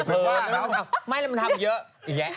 เผลอไม่มันทำเยอะ